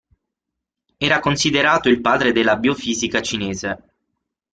Era considerato il "padre della biofisica cinese".